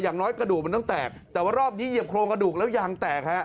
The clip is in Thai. อย่างน้อยกระดูกมันต้องแตกแต่ว่ารอบนี้เหยียบโครงกระดูกแล้วยางแตกฮะ